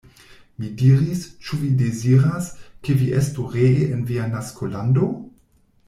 Mi diris, Ĉu vi deziras, ke vi estu ree en via naskolando?